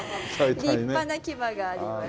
立派な牙があります。